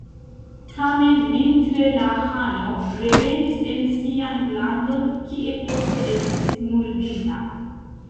Tamen vintre la ĥano revenis en sian landon, kie poste estis murdita.